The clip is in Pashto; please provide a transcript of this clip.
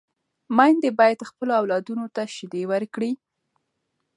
میندې باید خپلو اولادونو ته شیدې ورکړي.